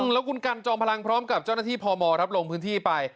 แล้วคุณกันจอมพลังพร้อมกับเจ้าหน้าที่พมลงพื้นที่ไป